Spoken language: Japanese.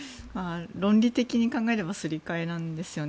論理的に見ればすり替えなんですよね。